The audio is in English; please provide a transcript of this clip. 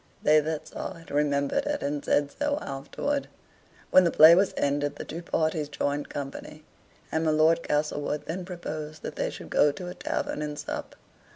They that saw it remembered it, and said so afterward. When the play was ended the two parties joined company; and my Lord Castlewood then proposed that they should go to a tavern and sup.